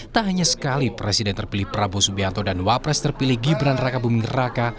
tak hanya sekali presiden terpilih prabowo subianto dan wapres terpilih gibran raka buming raka